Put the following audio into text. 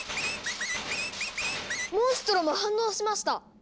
モンストロも反応しました！